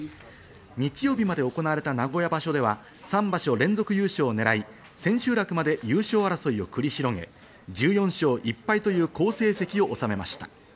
日曜日まで行われた名古屋場所では３場所連続優勝を狙い、千秋楽まで優勝争いを繰り広げ、１４勝１敗という好成績を収めました。